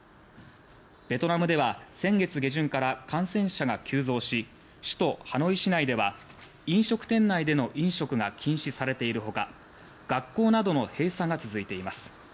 ベトナムでは先月下旬から感染者が急増し首都ハノイ市内では飲食店内での飲食が禁止されているほか学校などの閉鎖が続いています。